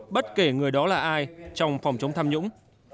bất kể người đó là ai trong phòng chống tham nhũng